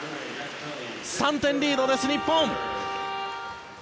３点リードです、日本。